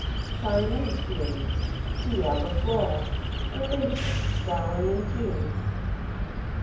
Chinese Pæonies (P. albiflora), herbaceous, flowering in June.